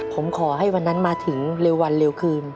ผมขอให้วันนั้นมาถึงเร็ววันเร็วคืน